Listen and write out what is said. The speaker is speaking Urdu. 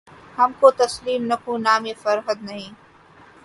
ہم کو تسلیم نکو نامیِ فرہاد نہیں